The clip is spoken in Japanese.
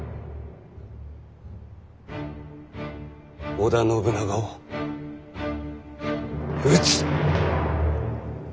織田信長を討つ！